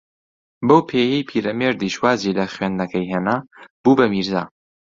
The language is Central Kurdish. بەو پێیەی پیرەمێردیش وازی لە خوێندنەکەی ھێنا، بوو بە میرزا